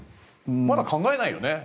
まだ考えないよね。